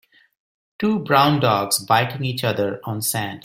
Two brown dogs biting each other on sand.